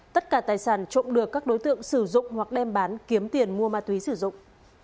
tất cả tài sản trộm được các đối tượng sử dụng hoặc đem bán kiếm tiền mua ma túy sử dụng